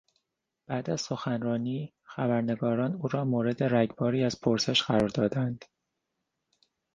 بعد از سخنرانی، خبرنگاران او را مورد رگباری از پرسش قرار دادند.